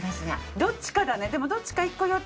どっちかだねでも。